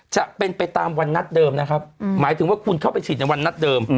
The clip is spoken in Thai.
จะเป็นไปตามวันนัดเดิมนะครับหมายถึงว่าคุณเข้าไปฉีดในวันนัดเดิม